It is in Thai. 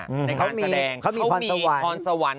ในการแสดงเขามีความสวรรค์